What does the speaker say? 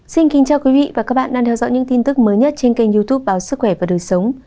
xin kính chào quý vị và các bạn đang theo dõi những tin tức mới nhất trên kênh youtube báo sức khỏe và đời sống